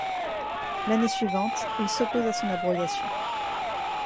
L'année suivante, il s'oppose à son abrogation.